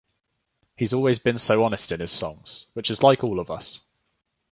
He's always been so honest in his songs, which is like all of us.